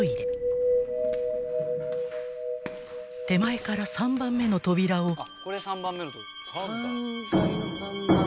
［手前から３番目の扉を］